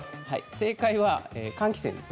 正解は換気扇です。